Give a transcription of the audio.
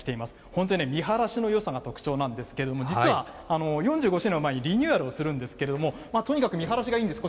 本当に、見晴らしのよさが特徴なんですけれども、実は４５周年を前にリニューアルをするんですけれども、とにかく見晴らしがいいんです。